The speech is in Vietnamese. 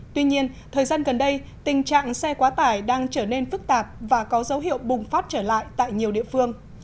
tuy nhiên thời gian gần đây tình trạng xe quá tải đang trở nên phức tạp và có dấu hiệu bùng phát trở lại tại nhiều địa phương